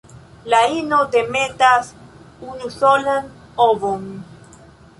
La ino demetas unusolan ovon.